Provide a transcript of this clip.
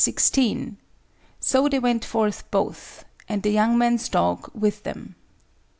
16), "So they went forth both, and the young man's dog with them."